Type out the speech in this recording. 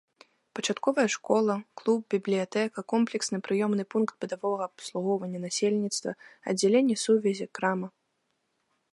Пачатковая школа, клуб, бібліятэка, комплексны прыёмны пункт бытавога абслугоўвання насельніцтва, аддзяленне сувязі, крама.